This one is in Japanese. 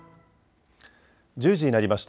１０時になりました。